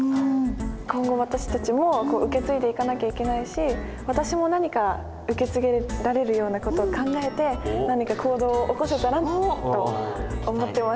今後私たちも受け継いでいかなきゃいけないし私も何か受け継げられるような事を考えて何か行動を起こせたらと思ってます。